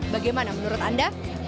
bagaimana menurut anda